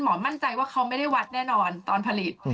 มั่นใจว่าเขาไม่ได้วัดแน่นอนตอนผลิต